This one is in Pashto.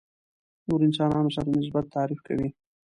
نورو انسانانو سره نسبت تعریف کوي.